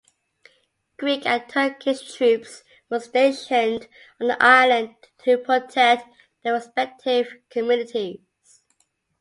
Greek and Turkish troops were stationed on the island to protect their respective communities.